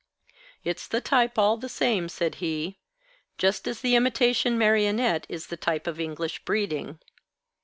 "It's the type, all the same," said he. "Just as the imitation marionette is the type of English breeding."